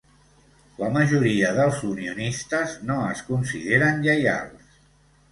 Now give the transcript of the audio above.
La majoria dels unionistes no es consideren lleials.